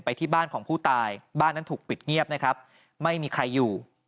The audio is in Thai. ที่บ้านของผู้ตายบ้านนั้นถูกปิดเงียบนะครับไม่มีใครอยู่